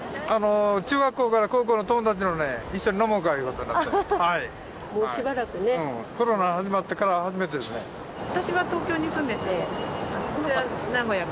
中学校から高校の友達とね、一緒に飲もうかということになっ